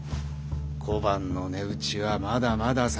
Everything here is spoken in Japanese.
小判の値打ちはまだまだ下がります。